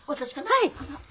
はい。